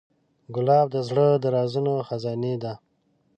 ګلاب د زړه د رازونو خزانې ده.